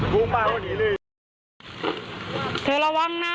รุ้มมาดูหนีเลยเธอระวังน่ะ